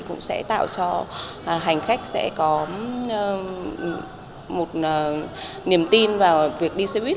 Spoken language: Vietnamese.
cũng sẽ tạo cho hành khách có niềm tin vào việc đi xe buýt